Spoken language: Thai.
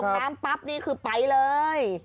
เออโรงนามปั๊บหนี้คือไปเลย